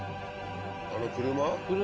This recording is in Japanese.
あの車？